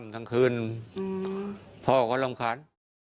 อ้าวแต่เดียว